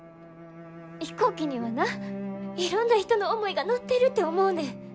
飛行機にはないろんな人の思いが乗ってるて思うねん。